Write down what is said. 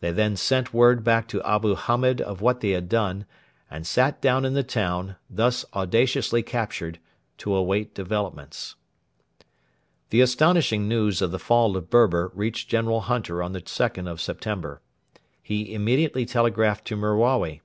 They then sent word back to Abu Hamed of what they had done, and sat down in the town, thus audaciously captured, to await developments. The astonishing news of the fall of Berber reached General Hunter on the 2nd of September. He immediately telegraphed to Merawi.